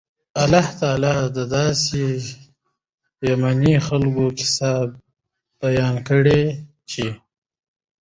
الله تعالی د داسي يَمَني خلکو قيصه بیانه کړي چې